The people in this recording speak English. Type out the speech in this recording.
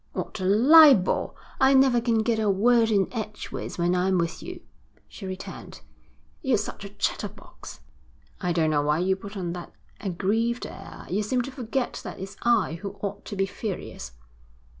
'What a libel! I never can get a word in edgeways when I'm with you,' she returned. 'You're such a chatterbox.' 'I don't know why you put on that aggrieved air. You seem to forget that it's I who ought to be furious.'